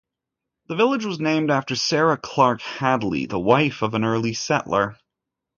The village was named after Sarah Clark Hadley, the wife of an early settler.